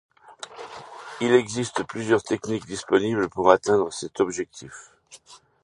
Il existe plusieurs techniques disponibles pour atteindre cet objectif.